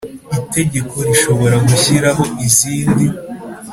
Itegeko rishobora gushyiraho izindi